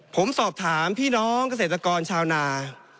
ผมสอบถามพี่น้องเกษตรกรชาวนา